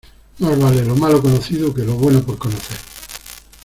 Más vale lo malo conocido que lo bueno por conocer.